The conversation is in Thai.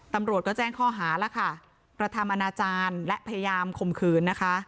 ตำรวจก็แจ้งข้อหาแล้วค่ะกระทำอนาจารย์และพยายามข่มขืนนะคะ